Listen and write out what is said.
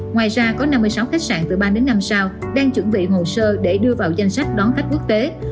ngoài ra có năm mươi sáu khách sạn từ ba đến năm sao đang chuẩn bị hồ sơ để đưa vào danh sách đón khách quốc tế